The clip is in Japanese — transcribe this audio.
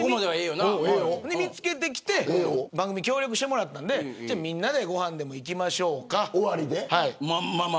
見つけてきて番組に協力してもらったのでみんなでご飯でも行きましょうか。